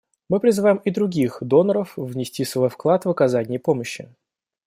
Мы призываем и других доноров внести свой вклад в оказание помощи.